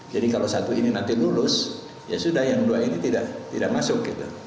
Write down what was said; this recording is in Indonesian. jadi kalau satu ini nanti lolos ya sudah yang dua ini tidak masuk